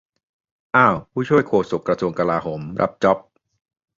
อ้าว ผู้ช่วยโฆษกกระทรวงกลาโหม รับจ๊อบ